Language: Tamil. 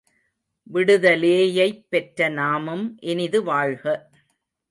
விடுதலேயைப் பெற்ற நாமும் இனிது வாழ்க.